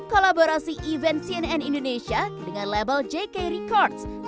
kolaborasi event cnn indonesia dengan label jk records